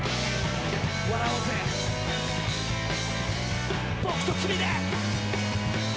笑おうぜ、僕と君で。